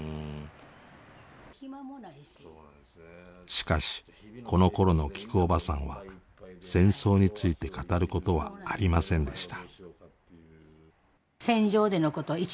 しかしこのころのきくおばさんは戦争について語ることはありませんでした。